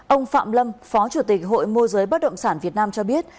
ông phạm lâm phó chủ tịch hội môi giới bất động sản việt nam cho biết